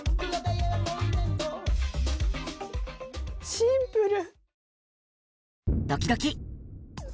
シンプル！